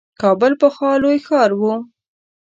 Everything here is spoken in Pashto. کابل پخوا لوی ښار وو.